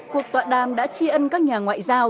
cuộc tọa đàm đã tri ân các nhà ngoại giao